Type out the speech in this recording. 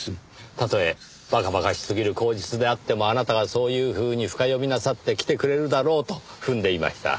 たとえ馬鹿馬鹿しすぎる口実であってもあなたがそういうふうに深読みなさって来てくれるだろうと踏んでいました。